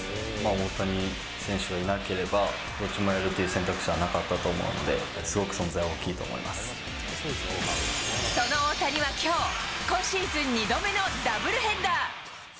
大谷選手がいなければ、どっちもやるという選択肢はなかったと思うので、その大谷はきょう、今シーズン２度目のダブルヘッダー。